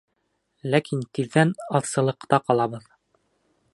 Ләкин тиҙҙән аҙсылыҡта ҡалабыҙ.